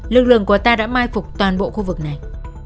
lực lượng của ta đã mai phục toàn bộ khu vực này